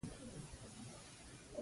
د سپوږمۍ رڼا خړه ښکاري